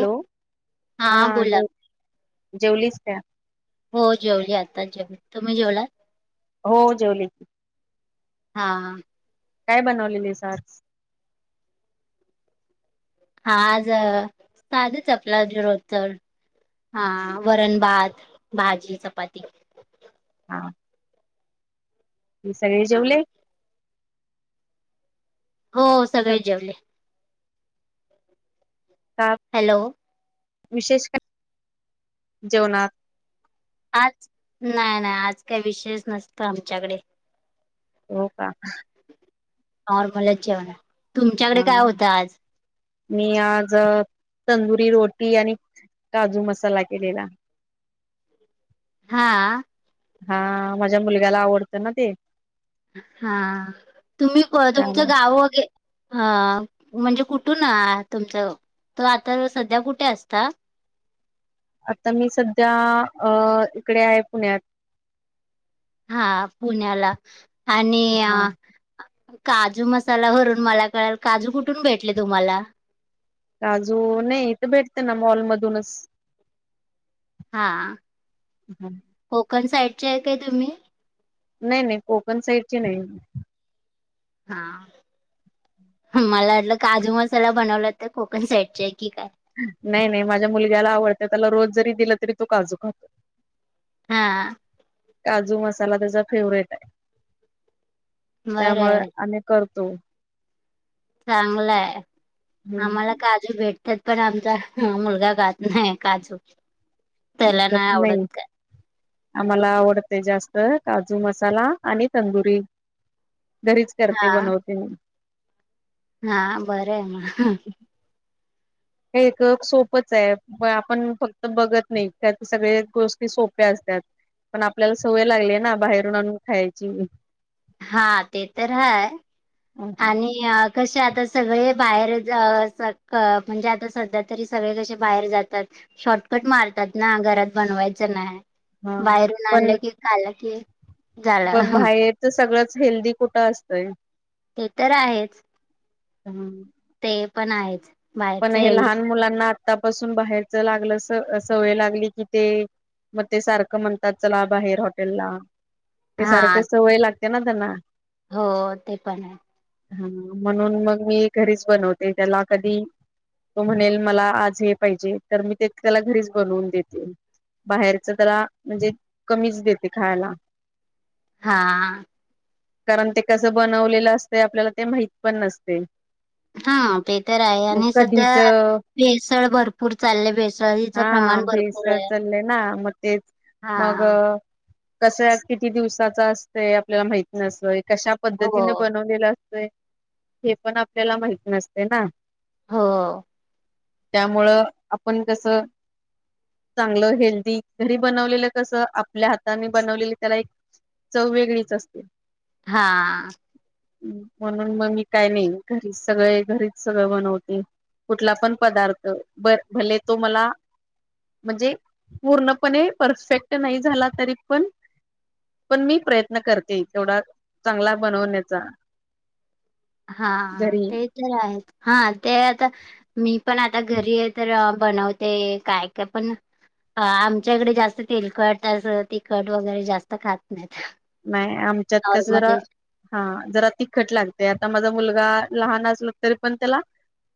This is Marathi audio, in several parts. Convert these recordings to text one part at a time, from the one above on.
हॅलो! हा हां बोला जे जेवलीस का ॽ हो जेवली आताच जेवली तुम्ही जेवलात हो जेवलेली. हा काय बनवलेलीस आज हा आज साधीच आपला जे रोजच हा वरण भात भाजी चपाती हां म सगळे हा जेवले हो सगळे जेवले का हॅलो! विशेष काय जेवणात आज नाय नाय आज काही विषयच नसत आमच्याकडे हो का नॉरमलच जेवण होत तुमच्याकडे हा काय होतं आज मी आज तंदुरी रोटी आणि काजू मसाला केलेला हां हा माझ्या मुलग्याला आवडतं ना ते हा तुम्ही तुमचं त्यामुळे गाव वगै ह म्हणजे कुठून ना तुमच तो आता सध्या कुठे असता आता मी सध्या अ इकडे आहे पुण्यात हा पुण्याला आणि हा काजू मसाला भरून मला कळेल काजू कुठून भेटले तुम्हाला काजू नाहीथ भेटते ना मॉलमधूनच हा कोकण साईडचे आहे काय तुम्ही नाही नाही कोकण साईडची नाही हा मला वाटलं काजू मसाला बनवला तर कोकन साईट ची य की काय? नाही, नाही माझ्या मुलग्याला आवडतय,, त्याला रोज जरी दिला तरी तो काजू खातोय. हा, काजू मसाला त्याचा फेवरेटाय. त्यामुळ बरं आम्ही करतो. चांगलंय. आम्हाला हम्म का काजू भेटतात पण, आमचा मुलगा खात नाही काजू. त्याला आमचा नाही पण आवडत नई. काय आम्हाला आवडते जास्त काजू मसाला आणि तंदुरी घरीच हा करते, बनवते. मी हा बरं आहे म एक सोपच आहे, म आपण फक्त बघत नाही,, त्या सगळे गोष्टी सोप्या असतात. पण आपल्याला सवय लागली ना,, बाहेरून आणून खायची. हा,, ते तर हाय,, आणिऽऽ कसे आता सगळे बाहेर अ स क-म्हणजे आता सध्या तरी सगळे कसे बाहेर जातात. शॉर्टकट मारतात ना, घरात बनवायचं नाय. हा बाहेरून पण आणलं की, खालं की पण झालं बाहेरच सगळंच हेल्दी कुठं असतंय? ते तर आहेच. हम्म. ते पण आहेच. पण बाहेरच हे हेल्दी लहान मुलांना आतापासून बाहेरच लागलं, स- सवय लागली की ते मग ते सारखं म्हणतात, चला बाहेर हॉटेला. ते हा सारखे सवय लागते ना त्यांना. हो ते पण आहे. हा म्हणून मग मी घरीच बनवते, त्याला कधी तो म्हणेल मला आज हे पाहिजे, तर मी ते त्याला घरीच बनवून देेते. बाहेरच त्याला म्हणजे, कमीच देते खायला. हा. कारण ते कसं बनवलेलं असतंय, आपल्याला ते माहित पण नसतय. हां ते तर आहे. मग आणि कधीच सध्या भेसळ भरपूर चालले भेसळीचं हा प्रमाण भरपूर भेसळ आहे. चाललय ना, मग तेच हा मग कस किती दिवसाच असतय आपल्याला माहित नसतय. कश्या हो पद्धतीने बनवलेलं अस तय, हे पण आपल्याला माहित नसतय ना. हो. त्यामुळं, आपण कसं चांगलं हेल्दी, घरी बनवलेलं कसं आपल्या हाताने बनवलेलं त्याला एक चव वेगळीच असते. हा. म्हणून मग मी काय नाही, घरीच सगळय घरीच सगळ बनवते. कुठला पण पदार्थ, बर भले तो मला म्हणजे, पूर्णपणे परफेक्ट नाही झाला तरी पण पण मी प्रयत्न करते, तेवढा चांगला बनवण्याचा. हा. घरी ते तर आहेच, हा, ते आता मी पण आता घरी आहे तर बनवते, काय काय पण आमच्या इकडे जास्त तेलकट, असं तिखट वगैरे जास्त खात नाहीत. नाही आमच्यात कसं जरा नॉर्मली हां, जरा तिखट लागतय. आता माझा मुलगा लहान असला तरी पण त्याला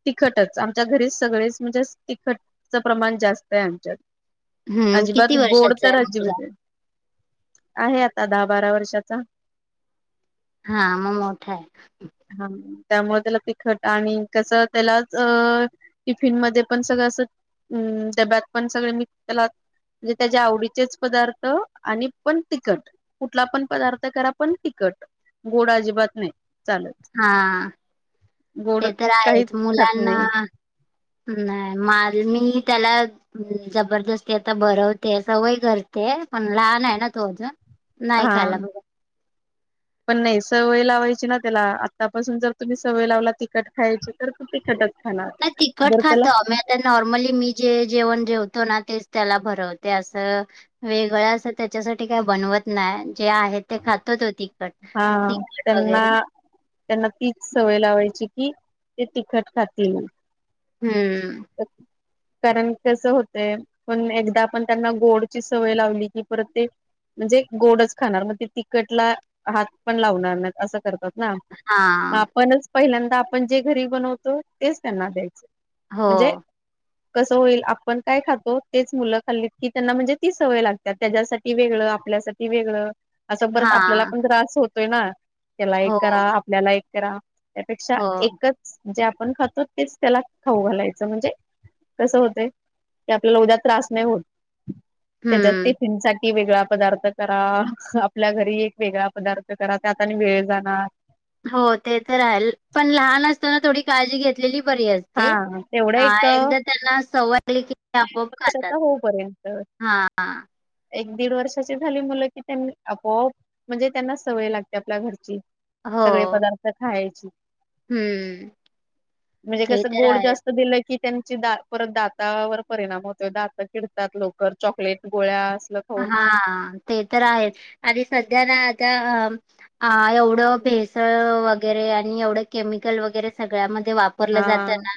तिखटच. आमच्या घरी सगळेच म्हणजे तिखटच प्रमाण जास्ताय आमच्यात. हम्म अजिबात किती गोड वर्षाचा आहे तर मुलगा अजिबात आहे आता दहा बारा वर्षाचा. हा, मग मोठाय. हा, त्यामुळे, त्याला तिखट आणि कसं, त्यालाच अ टिफिन मध्ये पण सगळं असं, अ डब्यात पण सगळ मी त्याला म्हणजे, त्याच्या आवडीचेच पदार्थ आणि पण तिखट. कुठला पण पदार्थ करा, पण तिकट. गोड अजिबात नाही. चालत हा. गोड ते तर काहीच आहेच, खात मुलांना नाही नाही मझ मी त्याला हम् जबरदस्ती आता भरवते, सवय करते. पण लहान आहे ना तो अजून. नाही खायला हा. बघ पण नाही सवय लावायची ना त्याला. आत्तापासून जर तुम्ही सवय लावला तिखट खायची तर तू तिखट नाही, तिकट खातो अम तर नॉर्मली मी जे जेवण जेवतो ना, तेच त्याला भरवते. असं वेगळं असं त्याच्यासाठी काही बनवत नाही. जे आहे ते खात तो ती हा. त्यांना त्यांना, तीच सवय लावायची कि, ते तिखट खातील. हम्म. [unintelligible] कारण कसं होतय, पण एकदा पण त्यांना गोडची सवय लावली की, परत ते म्हणजे, गोडच खाणार. मग ते तिखटला हात पण लावणार नाही. असं करतात ना. मग हां. आपणच पहिल्यांदा आपण जे घरी बनवतो. तेच त्यांना द्यायचं. म्हणजे हो. कसं होईल, आपण काय खातो. तेच मुलं खाल्ली की, त्यांना म्हणजे ती सवय लागते. त्याज्यासाठी वेगळं, आपल्यासाठी वेगळं. असं परत आपल्याला हां. पण त्रास होतोय ना. त्याला एक हो, करा, आपल्याला एक करा. त्यापेक्षा हो. एकच. जे आपण खातो, तेच त्याला खाऊ घालायचं. म्हणजे कसं होतय. की, आपल्याला उद्या त्रास नाही होत. त्याच्यात हम्म. टिफीनसाठी वेगळा पदार्थ करा. आपल्या घरी एक वेगळा पदार्थ करा. त्याता आणि वेळ जाणार. हो ते तर राल. पण लहान असताना थोडी काळजी घेतलेली बरीय. ते. हा तेवढं ह एक एकदा त्यांना सवय लागली की, ते आपोआप खातात. वर्षाचा होऊपर्यंत हा. एक दीड वर्षाची झाली मुलं की, त्यांना आपोआप म्हणजे त्यांना सवय लागते, आपल्या घरची. हो. सगळे पदार्थ खायची. हम्म. म्हणजे ते कस तर गोड आहेच. जास् त दिलं की, त्यांची दा परत दातावर परिणाम होतोय. दात किडतात लवकर. चॉकलेट, गोळ्या असलं खाऊन हा, ते तर आहेच. आणि सध्या ना त्या अ हा, एवढं भेसळ वगैरे आणि एवढं केमिकल वगैरे सगळ्यामध्ये वापर परल हा जात ना.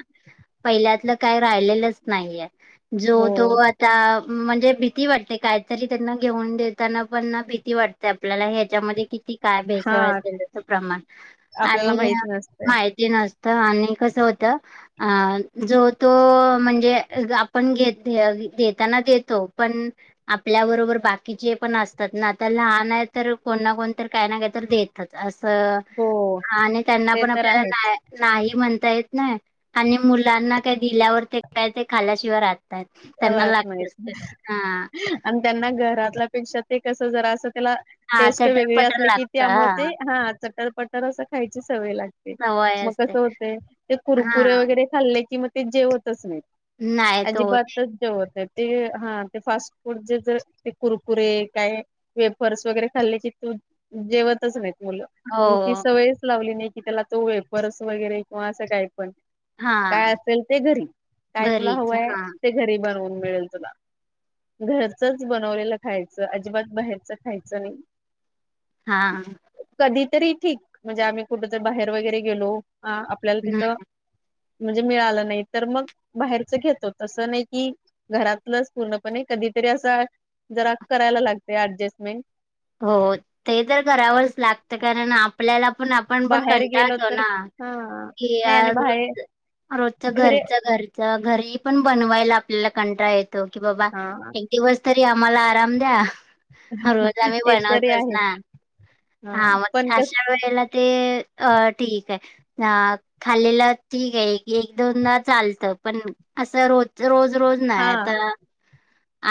पहिल्यातलं काही राहिलेलंच नाहीय. हो जो- तो आ ता म्हणजे भीती वाटते. काहीतरी त्यांना घेऊन देताना पण ना भीती वाटते आपल्याला. हे त्यामधे किती? काय? हा भेसळ असेल त्याच प्रमाण आपल्याला आणि माहित नसतय मा हिती नसत. आणि कसं, होत? अ जो तो म्हणजे, आपण घेत देताना देतो पण आपल्या बरोबर बाकीचे पण असतात ना. आता लहान आहे तर, कोण ना कोण, काय ना काय तर देत तात. असं हो आणि त्यांना ते पण तर आपल्याला आहेच नाही नाही म्हणता येत नाय. आणि मुलांना काय दिल्यावर ते काय ते खाल्याशिवाय राह त्यांना राहत नाहीत. लागतच ते. हा. आणि त्यांना घरातल्यापेक्षा, ते कसं जरा असं त्याला हां, टेस्ट वेगळे चटर-पटर असले की, लागतं त्यामुळे ते हां, हा, चटरपटर असं खायची सवय लागते. सवय मग असते. कसं होतय, ते कुरकुरे हां, वगैरे खाल्ले की मग, ते जेवतच नाही. नाही तो [unintelligible] जेवत नाही. ते हा, ते फास्ट फूड जे जर ते कुरकुरे, काय वेपर्स वगैरे खाल्ले की, तू जेवतच नाहीत मुलं. मी ती हो, सवयच लावली नाही की, त्याला तो वेफर्स वगैरे किंवा असं काय पण. हां. काय असेल ते घरी. काय तुला घरीच हवंय? हा ते घरी बनवून मिळेल तुला. घरचच बनवलेलं खायचं. अजिबात बाहेरचं खायचं नाही. हा. कधीतरी ठीक. म्हणजे आम्ही कुठंतरी बाहेर वगैरे गेलो, आपल्याला हम्म तिथं म्हणजे मिळालं नाही, तर मग बाहेरच घेतो. तंस नई कि, घरातलंच पूर्णपणे. कधीतरी असं जरा करायला लागतय ऍडजस्टमेंट. हो हो. ते तर करावंच लागत, कारण आपल्याला पण आपण पण बाहेर गेलो कंटाळतो तर ना, हा की नाही आणि बाहेर रोज रोजच घरी घरच घर घरी पण बनवायला आपल्याला कंटाळाळ येतो, की बाबा हा दिवस तरी आम्हाला आराम द्या. [inaudible] म्हणजे आम्ही तरी बनवतोच आहे ना, हा. पण मग कस अशा वेळेला ते अ - ठीकय. हा खाल्लेलं ठीकय की एक दोनदा चालतं, पण असं रोज रोज रोज हा नाय आता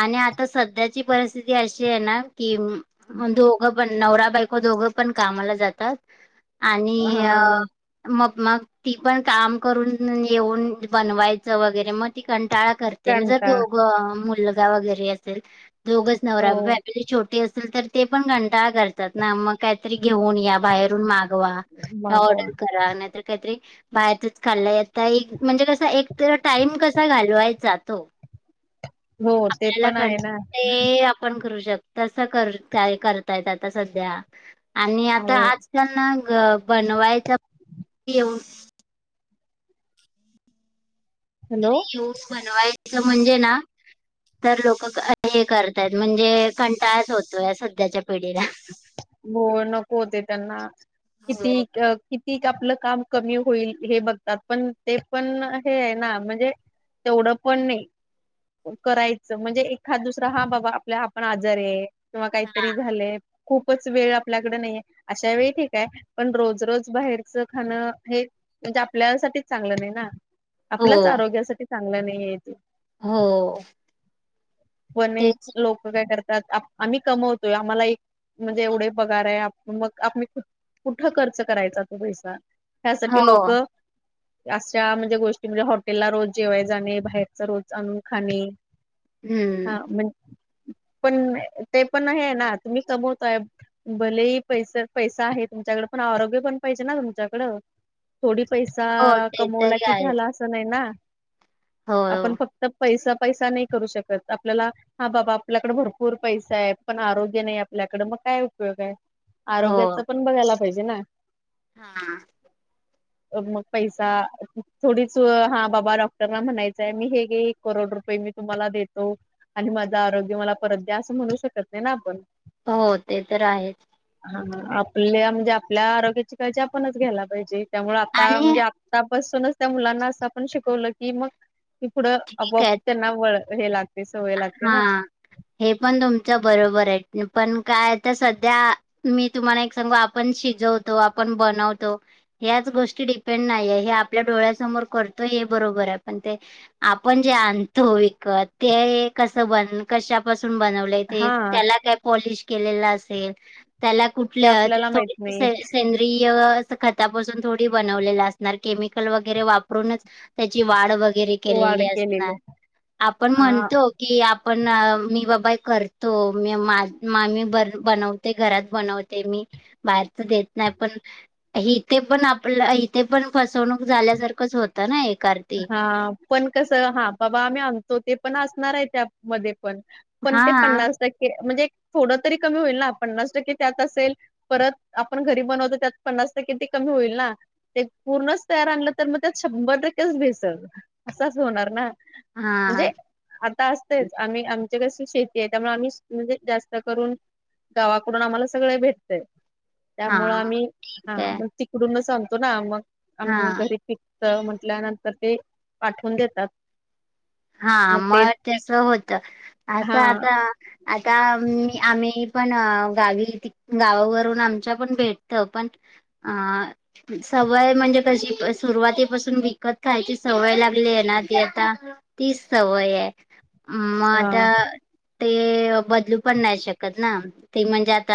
आणि आता सध्याची परिस्थिती अशी आहे ना, कि दोघं पण नवरा बायको दोघ पण कामाला जातात, आणि हा अ -मग मग ती पण काम करून येऊन बनवायचं वगैरे मग ती कंटाळा कर तेनी जर कंटाळा दोघं मुलगा वगैरे असेल, दोघच नवरा हो फॅमिली छोटी असेल तर ते पण कंटाळा करतात ना, मग काहीतरी घेऊन या बाहेरून माग मागवा किंवा मागवा ऑर्डर करा नाहीतर काहीतरी बाहेरचच खाल्लाय यता, एक म्हणजे कसा एक तर टाइम कसा घालवायचा तो हो ते आपल्याला पण कं आहे ना ते आपण करू शक तस करू शकतोय करतायेत आता सध्या, आणि आता हो आज मग बनवायच, येऊ हॅलो. [unintelligible] बनवायच म्हणजे ना तर लोक हे करतायत म्हणजे, कंटाळच होतोय सध्याच्या पिढीला. हो नको होते त्यांना, किती हो किती आपलं काम कमी होईल, हे बघतात. पण ते पण हे आहे ना म्हणजे तेवढं पण नई. करायचं. म्हणजे एखाद दुसरा हा बाबा आपल्या आपण आजार आहे किंवा काहीतरी झालेय खूपच वेळ आपल्याकडे नाहीये, अशा वेळी ठीकाय. पण रोज रज बाहेरचं खाणं हे म्हणजे आपल्यासाठीच चांगलं नाही ना, हो आपल्याच आरोग्यासाठी चांगलं नाही आहे ते. हो. पण एक तेच लोक काय करतात आम्ही कमवतोय, आम्हाला एक म्हणजे एवढे पगाराय मग आम्ही कुठं खर्च करायचा तो पैसा, हो ह्यासाठी लोक अशा म्हणजे गोष्टी म्हणजे हॉटेलला रोज जेवाय जाणे, बाहेरचा रोज आणून खाणे हम्म म्हण पण ते पण हे हाय ना, तुम्ही कमवताय. भले पैसे पैसा आहे तुमच्याकड, पण आरोग्य पण पाहिजे ना तुमच्याकड. थोडी पैसा हो ते कमवला तरी की आहेत झाला असं नाही ना. हो आपण फक्त तर पैसा पैसा नाही करू शकत. आपल्याला हा बाबा आपल्याकडे भरपूर पैसा आहे, पण आरोग्य नाही आपल्याकडे मग काय उपयोग आहे. हो आरोग्याच पण बघायला पाहिजे ना. हा. [inaudible] मग पैसा थोडीच हा बाबा डॉक्टरला म्हणायचंय, मी हे गे एक करोड रुपये मी तुम्हाला देतो आणि माझं आरोग्य मला परत द्या, असं म्हणू शकत नाही ना आपण. हो ते तर आहेच. हा आपल्या म्हणजे आपल्या आरोग्याची काळजी आपणच घ्यायला पाहिजे त्यामुळे आता आणि म्हणजे आप त्यापासूनच त्या मुलांना असं पण शिकवलं की मग पुढं ठीक आपोआप आहेत त्यांना वळ हे लाग ते सवय लाग हा हे पण तुमच बरोबर आहे. पण काय आता सध्या मी तुम्हाला एक सांगू, आपण शिजवतो. आपण बनवतो ह्याच गोष्टी डिपेंड नाहीये हे आपल्या डोळ्यासमोर करतोय हे बरोबर आहे पण ते आपण जे आणतो विकत ते कसं पण कशापासून बनवले ते हा त्याला काय पॉलिश केलेल्या असेल त्याला ते कुठलं आपल्याला माहित से नाही सेन खतापासून थोडी बनवले असणार केमिकल वगैरे वापरूनच त्याची वाढ वगैरे वाढ केलेली केलेले असणार आपण हा म्हणतो की आपण मी बाबा करतो मी मा मी बर बनवते घरात बनवते. ते मी बाहेरच देत नाही पण. इथे पण आपलं इथे पण फसवणूक झाल्यासारखंच होतं ना हे कार हा पण कस हा बाबा आम्ही आणतो ते पण असणार आहे त्यामध्ये पण पण ते हां, पन्नास टक्के म्हणजे थोडं तरी कमी होईल ना पन्नास टक्के त्यात असेल परत आपण घरी बनवतो त्यात पन्नास टक्के ती कमी होईल ना. ते पूर्णच तयार आणलं तर मग त्या शंभर टक्के भेसळ असंच होणार ना म्हणजे हां, ते आता असतच आम्ही आमच्याकस शेती आहे त्यामुळे आम्ही म्हणजे जास्त करून गावाकडून आम्हाला सगळ भेटतय त्यामुळं हां. आम्ही मग हा. काय तिकडूनच सांगतो ना मग हां, घरी पिकत म ल्यानंतर ते पाठवून देतात. हा मग त्यास होत असं हा आता आता आम्ही पण गावी गावावरून आमच्या पण भेटत पण आ. सवय म्हणजे कशी सुरुवातीपासून विकत खायची सवय लागली आहे ना ती आता तीच सवय आहे मग हा आता ते बदलू पण नाही शकत ना ते म्हणजे आता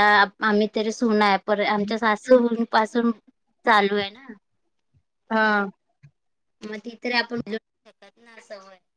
आम्ही तरी सुना ये पर आमच्या सासू पासून चालू आहे ना. हा. मग ती तरी आपण [unintelligible]